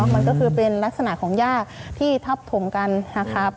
มันก็คือเป็นลักษณะของย่าที่ทับถมกันนะครับ